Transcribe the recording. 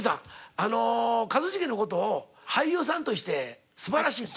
あの一茂の事を俳優さんとして素晴らしいって。